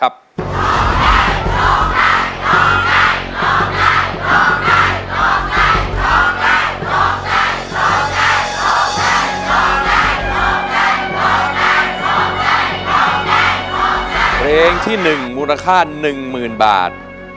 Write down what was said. เพลง๑มูรค่า๑๐๐๐๐บาท